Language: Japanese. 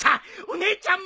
お姉ちゃん！